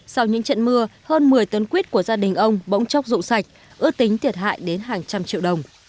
sau những trận mưa hơn một mươi tấn quyết của gia đình ông bỗng chốc rụ sạch ước tính thiệt hại đến hàng trăm triệu đồng